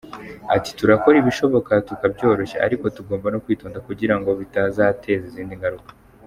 Ati ” Turakora ibishoboka tukabyoroshya ariko tugomba no kwitonda kugira ngo bidateza izindi ngaruka.